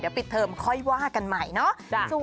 เดี๋ยวปิดเทิมค่อยว่ากันใหม่เนาะ